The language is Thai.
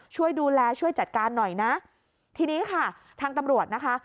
ช่วยดูแลช่วยจัดการหน่อยนะทีนี้ค่ะทางตำรวจนะคะ